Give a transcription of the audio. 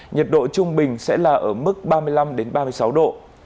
nhiệt độ trung bình sẽ là ở mức ba mươi năm ba mươi sáu độ